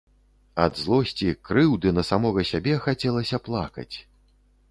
Ад злосці, крыўды на самога сябе хацелася плакаць.